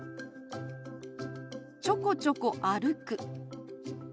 「ちょこちょこ歩く」。